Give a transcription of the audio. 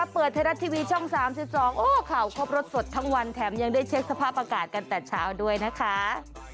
เปิดไทยรัฐทีวีช่อง๓๒โอ้ข่าวครบรสสดทั้งวันแถมยังได้เช็คสภาพอากาศกันแต่เช้าด้วยนะคะ